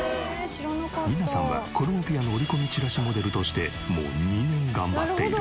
リナさんはコルモピアの折り込みチラシモデルとしてもう２年頑張っている。